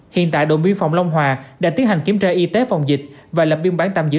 hiện tại đồn biên phòng long hòa đã tiến hành kiểm tra y tế phòng dịch và lập biên bản tạm giữ